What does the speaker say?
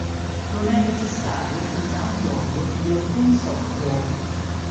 Non è necessario il download di alcun software.